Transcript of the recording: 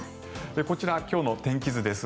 こちら、今日の天気図です。